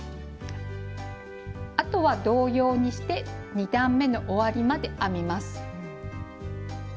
あとは同様にして２段めの終わりまで編みます。